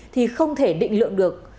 thì không thể định lượng được